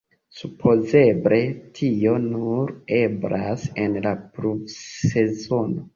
Supozeble tio nur eblas en la pluvsezono.